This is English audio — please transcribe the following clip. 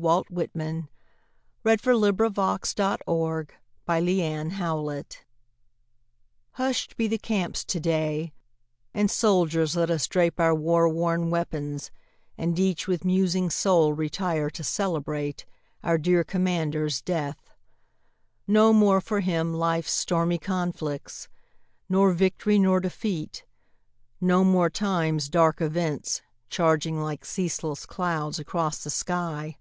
Walt Whitman (1865) Hush'd Be the Camps Today May 4, 1865 HUSH'D be the camps today, And soldiers let us drape our war worn weapons, And each with musing soul retire to celebrate, Our dear commander's death. No more for him life's stormy conflicts, Nor victory, nor defeat no more time's dark events, Charging like ceaseless clouds across the sky.